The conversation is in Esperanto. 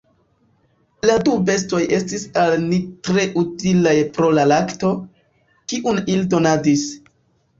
La du bestoj estis al ni tre utilaj pro la lakto, kiun ili donadis.